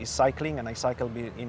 berlengkapan dan saya berlengkapan